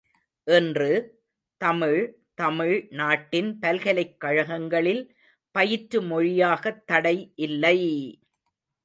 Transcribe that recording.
இன்று, தமிழ், தமிழ் நாட்டின் பல்கலைக் கழகங்களில் பயிற்று மொழியாகத் தடை இல்லை!